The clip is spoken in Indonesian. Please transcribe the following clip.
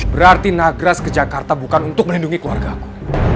berarti nagras ke jakarta bukan untuk melindungi keluarga aku